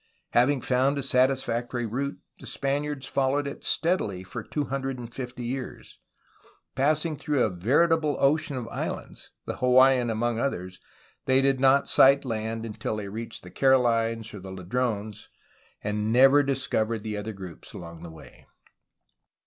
Having found a satisfactory route, the Spaniards followed it steadily for 250 years. Passing through a veritable ocean of islands, the Hawaiian among others, they did not sight land until they reached the Carolines or the Ladrones, and never discovered the other groups along the way.